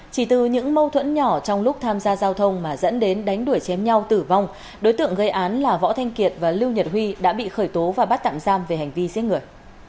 chỉ từ những mâu thuẫn nhỏ trong lúc tham gia giao thông mà dẫn đến đánh đuổi chém nhau tử vong đối tượng gây án là võ thanh kiệt và lưu nhật huy đã bị khởi tố và bắt tạm giam về hành vi giết người